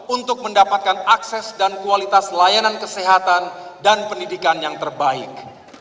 untuk mendapatkan akses dan kualitas layanan kesehatan dan pendidikan yang terbaik